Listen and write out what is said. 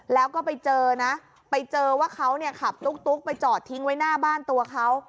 แล้วก็ไปเจอนะไปเจอว่าเขาเนี่ยขับตุ๊กไปจอดทิ้งไว้หน้าบ้านตัวเขา